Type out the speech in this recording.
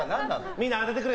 みんな当ててくれ。